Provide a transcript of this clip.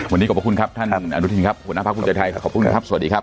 วันนี้ขอบคุณครับท่านอนุทิศคุณภาคภูมิใจไทยขอบคุณครับสวัสดีครับ